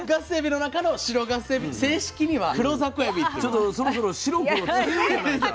ちょっとそろそろ白黒つけようじゃないか。